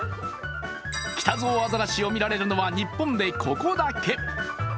キタゾウアザラシを見られるのは、日本でここだけ。